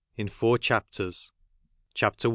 IN FOUR CHAPTERS. CHAPTER I.